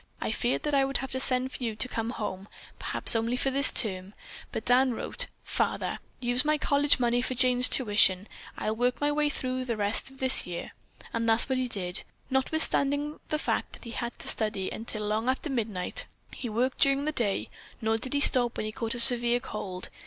I feared that I would have to send for you to come home, perhaps only for this term, but Dan wrote, 'Father, use my college money for Jane's tuition. I'll work my way through for the rest of this year.' And that is what he did. Notwithstanding the fact that he had to study until long after midnight, he worked during the day, nor did he stop when he caught a severe cold.